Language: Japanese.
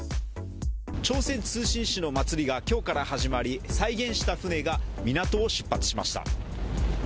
朝鮮通信使の祭りが今日から始まり再現した船が港を出発しました。